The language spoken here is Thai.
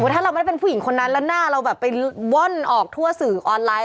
ถ้าเราไม่ได้เป็นผู้หญิงคนนั้นแล้วหน้าเราแบบไปว่อนออกทั่วสื่อออนไลน